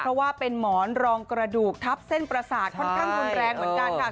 เพราะว่าเป็นหมอนรองกระดูกทับเส้นประสาทค่อนข้างรุนแรงเหมือนกันค่ะ